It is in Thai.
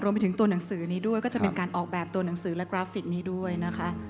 ไปถึงตัวหนังสือนี้ด้วยก็จะเป็นการออกแบบตัวหนังสือและกราฟิกนี้ด้วยนะคะ